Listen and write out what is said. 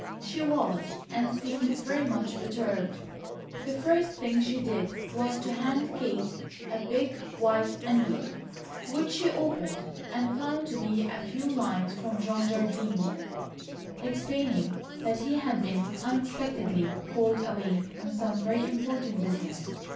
She was and seemed very much perturbed. The first thing she did was to hand Kate a big white envelope, which she opened and found to be a few lines from John Jardine, explaining that he had been unexpectedly called away on some very important business.